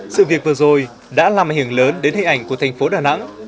sự việc vừa rồi đã làm hình lớn đến hình ảnh của tp đà nẵng